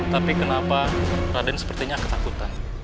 tapi kenapa raden sepertinya ketakutan